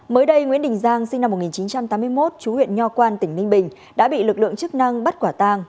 mới đây nguyễn đình giang sinh năm một nghìn chín trăm tám mươi một chú huyện nho quan tỉnh ninh bình đã bị lực lượng chức năng bắt quả tang